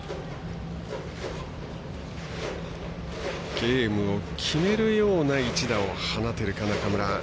ゲームを決めるような一打を放てるか、中村。